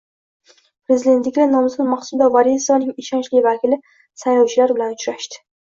Prezidentlikka nomzod Maqsuda Vorisovaning ishonchli vakili saylovchilar bilan uchrashdi